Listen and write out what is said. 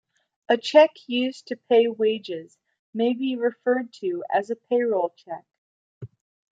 A cheque used to pay wages may be referred to as a payroll cheque.